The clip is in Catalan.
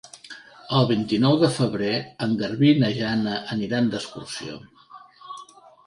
El vint-i-nou de febrer en Garbí i na Jana aniran d'excursió.